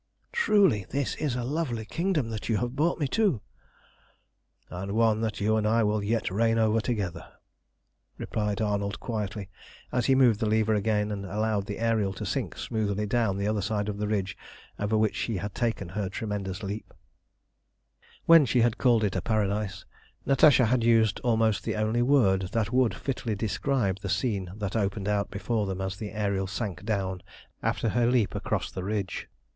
Truly this is a lovely kingdom that you have brought me to!" [Illustration: "The Ariel sank down after the leap across the ridge." See page 123.] "And one that you and I will yet reign over together," replied Arnold quietly, as he moved the lever again and allowed the Ariel to sink smoothly down the other side of the ridge over which she had taken her tremendous leap. When she had called it a paradise, Natasha had used almost the only word that would fitly describe the scene that opened out before them as the Ariel sank down after her leap across the ridge.